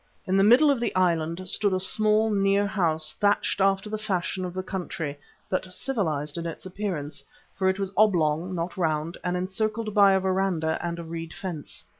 In the middle of the island stood a small, near house thatched after the fashion of the country, but civilized in its appearance, for it was oblong, not round, and encircled by a verandah and a reed fence.